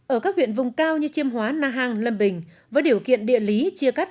ở các huyện vùng cao như chiêm hóa na hàng lâm bình với điều kiện địa lý chia cắt